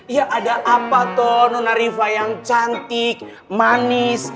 ya ada apa toh nona riva yang cantik manis